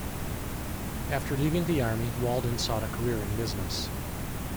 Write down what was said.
After leaving the army, Walden sought a career in business.